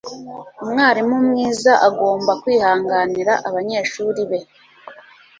Umwarimu mwiza agomba kwihanganira abanyeshuri be.